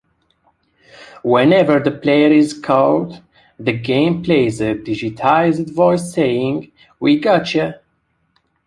Whenever the player is caught, the game plays a digitized voice saying, We Gotcha!